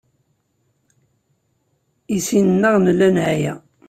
I sin-nneɣ nella neɛya.